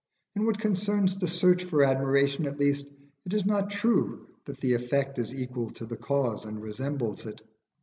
In what concerns the search for admiration at least, it is not true that the effect is equal to the cause and resembles it.